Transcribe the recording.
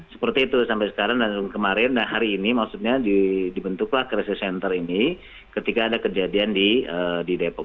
seperti itu sampai sekarang dan kemarin nah hari ini maksudnya dibentuklah crisis center ini ketika ada kejadian di depok